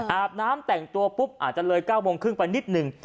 อาบน้ำแต่งตัวปุ๊บอาจจะเลย๙โมงครึ่งไปนิดนึง